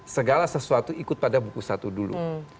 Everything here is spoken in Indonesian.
segala sesuatu ikut pada buku satu dulu